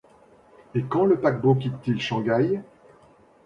Et quand le paquebot quitte-t-il Shangaï?